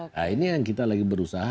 nah ini yang kita lagi berusaha